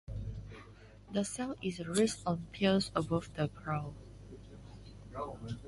The cell is raised on piles above the ground.